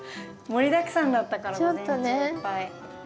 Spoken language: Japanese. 盛りだくさんだったから午前中いっぱい。